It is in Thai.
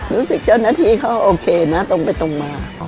รู้สึกเจ้าหน้าที่เขาโอเคนะตรงไปตรงมา